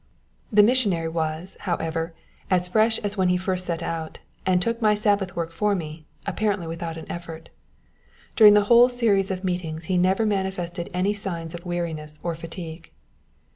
The missionary was, however, as fresh as when he first set out, and took my Sabbath work for me, apparently without an effort. During the whole series of meetings he never manifested any signs of weariness or fatigue.